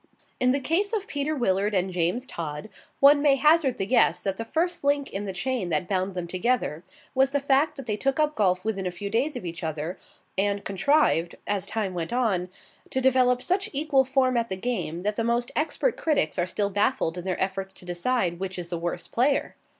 In the case of Peter Willard and James Todd, one may hazard the guess that the first link in the chain that bound them together was the fact that they took up golf within a few days of each other, and contrived, as time went on, to develop such equal form at the game that the most expert critics are still baffled in their efforts to decide which is the worse player.